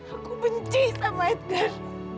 aku benci sama edgar